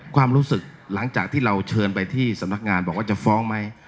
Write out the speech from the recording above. ความรู้สึกหลังจากที่เราเชิญไปที่สำนักงานบอกว่าจะฟ้องไหม